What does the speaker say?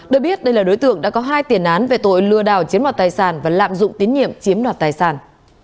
được biết đây là đối tượng đã có hai tiền án về tội lừa đảo chiếm đoạt tài sản và lạm dụng tín nhiệm chiếm đoạt tài sản